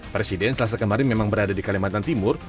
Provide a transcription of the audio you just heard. presiden selasa kemarin memang berada di kalimantan timur